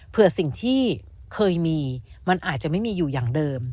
เพื่อสิ่งที่เคยมีมันอาจจะไม่มีอยู่อย่างเดิม